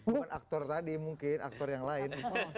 bukan aktor tadi mungkin aktor yang lain